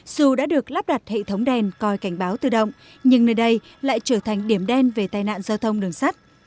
dù đã được lắp đặt hệ thống đèn coi cảnh báo tự động nhưng nơi đây lại trở thành điểm đen về tai nạn giao thông đường sắt